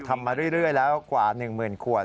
ทำมาเรื่อยแล้วกว่า๑หมื่นขวด